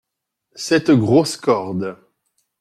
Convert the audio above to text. Cette grosse corde.